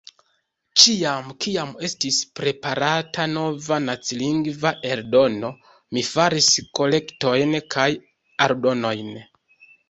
Ĉiam, kiam estis preparata nova nacilingva eldono, mi faris korektojn kaj aldonojn.